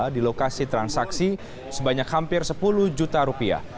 di lokasi transaksi sebanyak hampir sepuluh juta rupiah